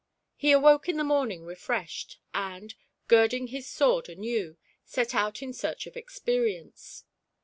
He awoke in the morning re freshed, and, girding on his sword anew, set out in search of Experience.